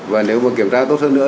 và nếu mà kiểm tra tốt hơn nữa